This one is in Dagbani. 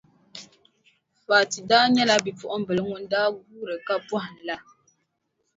Fati daa nyɛla bipuɣimbila ŋun daa guuri ka pɔhim la.